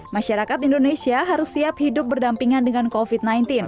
masyarakat indonesia harus siap hidup berdampingan dengan covid sembilan belas